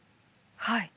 はい。